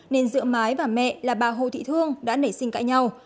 nên giữa mái và mẹ là bà hồ thị thương đã nảy sinh cãi nhau